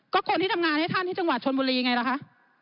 ก็คนที่ทำงานให้ท่านที่จังหวัดชนบุรีไงล่ะคะ